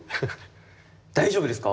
大丈夫ですか？